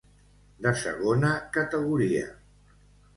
De segona categoria.